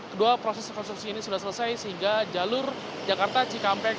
kedua proses rekonstruksi ini sudah selesai sehingga jalur jakarta cikampek